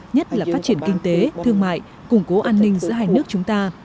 nhất là phát triển kinh tế thương mại củng cố an ninh giữa hai nước chúng ta